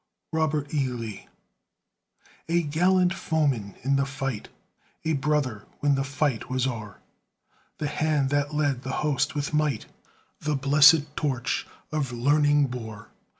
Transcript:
ROBERT E. LEE A gallant foeman in the fight, A brother when the fight was o'er, The hand that led the host with might The blessed torch of learning bore.